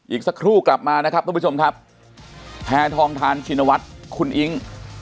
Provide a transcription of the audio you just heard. อีกสักครู่กลับมานะครับทุกผู้ชมครับแพทองทานชินวัฒน์คุณอิ๊ง